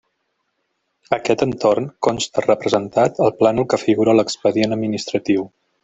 Aquest entorn consta representat al plànol que figura a l'expedient administratiu.